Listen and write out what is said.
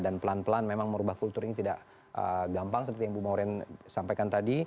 dan pelan pelan memang merubah kultur ini tidak gampang seperti yang ibu maureen sampaikan tadi